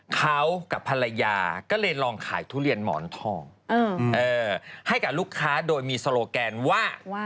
เขากับภรรยาก็เลยลองขายทุเรียนหมอนทองให้กับลูกค้าโดยมีโซโลแกนว่า